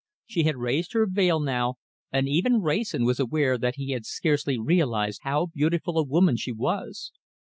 She had raised her veil now, and even Wrayson was aware that he had scarcely realized how beautiful a woman she was.